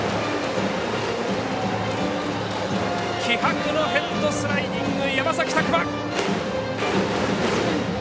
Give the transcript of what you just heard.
気迫のヘッドスライディング山崎琢磨。